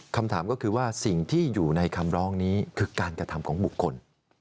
คำถามก็คือว่าสิ่งที่อยู่ในคำร้องนี้คือการกระทำของบุคคล